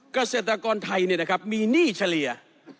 เกษตรกรไทยมีหนี้เฉลี่ย